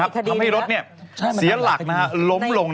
ทำให้รถเสียหลักล้มลง